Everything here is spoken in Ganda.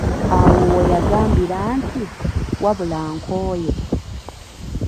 Awo we yagambira nti: "wabula nkooye"